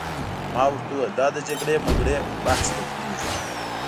ما ورته وویل: دا د جګړې مګړې بحث به پرېږدو.